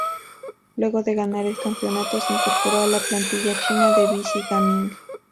Luego de ganar el campeonato, se incorporó a la plantilla china de Vici Gaming.